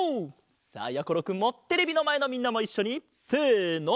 さあやころくんもテレビのまえのみんなもいっしょにせの！